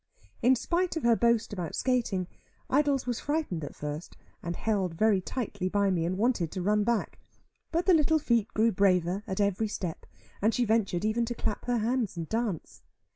In spite of her boast about skating, Idols was frightened at first, and held very tightly by me, and wanted to run back. But the little feet grew braver at every step, and she ventured even to clap her hands and dance.